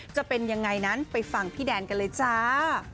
จะเป็นยังไงนั้นไปฟังพี่แดนกันเลยจ้า